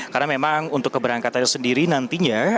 karena memang untuk keberangkatan sendiri nantinya